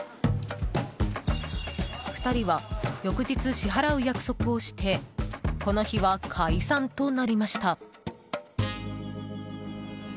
２人は翌日支払う約束をしてこの日は解散となりました。